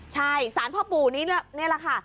ใช่ศาลพ่อปู่นี่แหละค่ะ